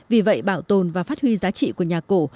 vì vậy bảo tồn và phát huy giá trị của nhà cổ